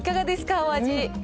お味。